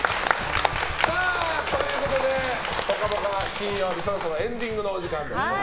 金曜日そろそろエンディングのお時間です。